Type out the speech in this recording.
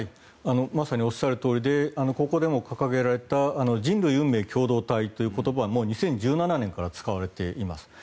まさにおっしゃるとおりでここでも掲げられた人類運命共同体理念という言葉は２０１７年から使われています。